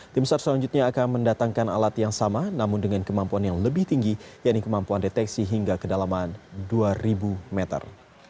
tim sar selanjutnya akan mendatangkan alat yang sama namun dengan kemampuan yang lebih tinggi yaitu kemampuan deteksi hingga kedalaman dua ribu meter